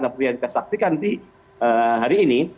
seperti yang kita saksikan di hari ini